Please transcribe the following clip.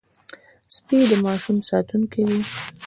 سپي د ماشوم ساتونکي دي.